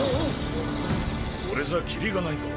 これじゃキリがないぞ。